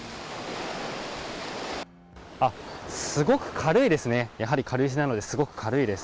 あっ、すごく軽いですね、やはり軽石なので、すごく軽いです。